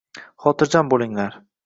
Xotirjam bo‘linglar